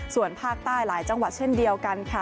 ส่วนภาคใต้หลายจังหวัดเช่นเดียวกันค่ะ